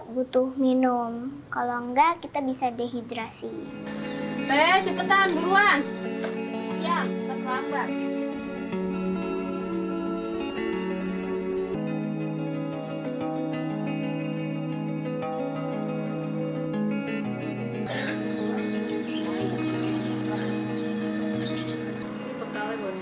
butuh minum kalau enggak kita bisa dehidrasi eh cepetan buruan siang